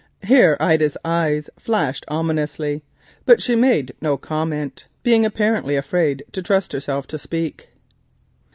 Here Ida's eyes flashed ominously, but she made no comment, being apparently afraid to trust herself to speak.